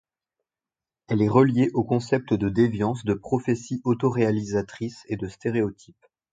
Elle est reliée aux concepts de déviance, de prophétie auto-réalisatrice et de stéréotype.